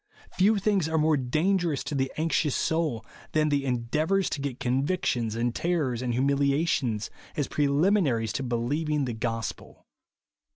Few things are more dangerous to the anxious soul than the endeavours to get convictions, and terrors, and humilia tions, as preliminaries to believing the gos pel.